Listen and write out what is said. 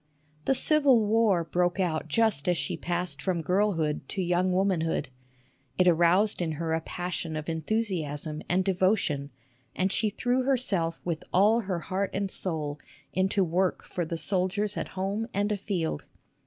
The Civil War broke out just as she passed from girlhood to young womanhood. It aroused in her a passion of enthusiasm and devotion, and she threw her self with all her heart and soul into work for the soldiers at home and afield.